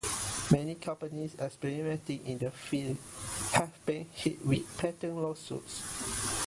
Many companies experimenting in the field have been hit with patent lawsuits.